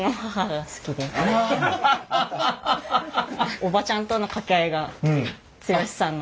おばちゃんとの掛け合いが剛さんの。